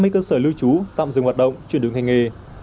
một năm trăm năm mươi cơ sở lưu trú tạm dừng hoạt động chuyển đường hành nghề